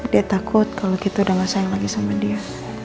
dia takut kalau kita udah gak sayang lagi sama dia